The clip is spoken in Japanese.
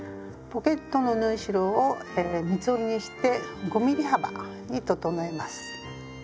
ポケットの縫い代を三つ折りにして５ｍｍ幅に整えます。